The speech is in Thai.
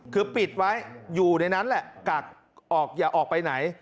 คือปิดไว้อยู่ในนั้นแหละกักออกอย่าออกไปไหน